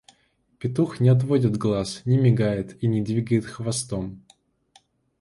Петух не отводит глаз, не мигает и не двигает хвостом.